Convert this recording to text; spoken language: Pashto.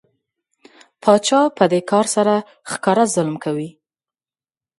پاچا په دې کار سره ښکاره ظلم کوي.